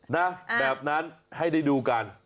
นะแบบนั้นให้ได้ดูกัน